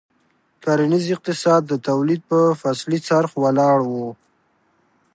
کرنیز اقتصاد د تولید په فصلي څرخ ولاړ و.